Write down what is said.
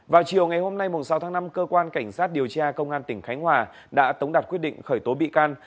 vào chiều ngày hôm nay sáu tháng năm cơ quan cảnh sát điều tra công an tỉnh khánh hòa đã tống đặt quyết định khởi tố bị can